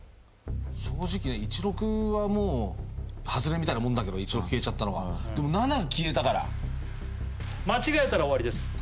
正直ね１６はもうハズレみたいなもんだけど１６消えちゃったのはでも７消えたから間違えたら終わりです